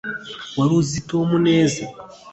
wari uzi tom neza